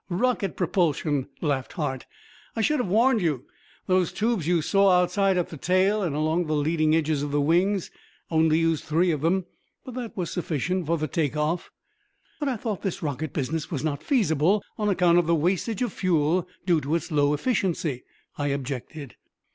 "Rocket propulsion," laughed Hart. "I should have warned you. Those tubes you saw outside at the tail and along the leading edge of the wings. Only used three of them, but that was sufficient for the take off." "But I thought this rocket business was not feasible on account of the wastage of fuel due to its low efficiency," I objected.